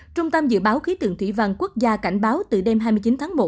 trung tâm dự báo khí tượng thủy văn quốc gia cảnh báo từ đêm hai mươi chín tháng một